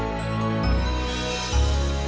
tidak ada yang bisa diberikan